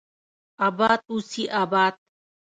اباد اوسي اباد